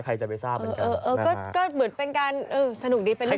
ใครจะไปท่านก็เหมือนการเออสนุกดีเข้าไปลุ่มเล่นใครคล้ายคล้าย